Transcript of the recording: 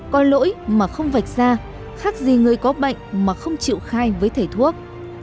có lỗi mà không vạch ra khác gì người có bệnh mà không chịu khai với thể thuốc